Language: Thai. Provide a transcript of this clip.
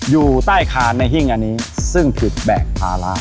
อยู่ใต้คานในหิ้งอันนี้ซึ่งผิดแบกภาระ